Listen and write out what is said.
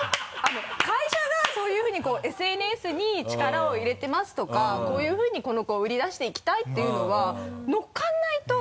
会社がそういうふうにこう「ＳＮＳに力を入れてます」とか「こういうふうにこの子を売り出していきたい」っていうのは乗っからないと！